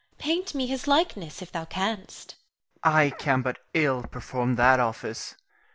Paint me his likeness, if thou canst. Rienzi. I can but ill perform that office.